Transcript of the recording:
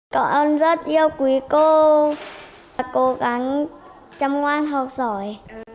cậu em rất yêu quý cô và cố gắng chăm ngoan học giỏi